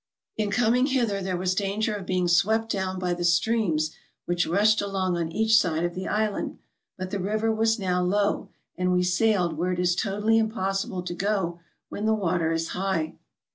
In coming hither there was danger of being swept down by the streams which rushed along on each side of the island ; but the river was now low, and we sailed where it is totally impossible to go when the water is high.